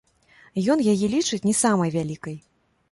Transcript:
Ён яе лічыць не самай вялікай.